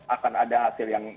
akan ada hasil yang